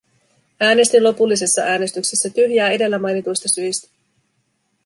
Äänestin lopullisessa äänestyksessä tyhjää edellä mainituista syistä.